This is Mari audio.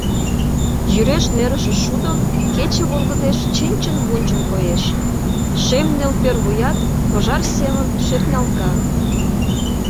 Йӱреш нӧрышӧ шудо кече волгыдеш чинчын-вунчын коеш, шем нӧлпер вуят пожар семын шӧртнялга.